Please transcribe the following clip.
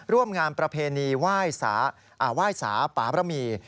ร่วมงานประเพณีไหว้สาปาบรมี